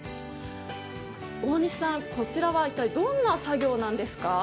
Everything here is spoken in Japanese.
こちらは一体どんな作業なんですか？